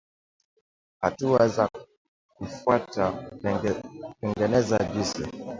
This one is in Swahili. Hatua za kufuata kutengeneza juisi